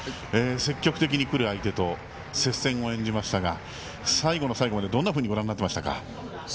積極的に来る相手と接戦を演じましたが最後の最後までどうご覧になっていましたか。